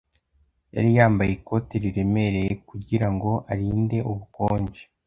Yari yambaye ikote riremereye kugirango arinde ubukonje.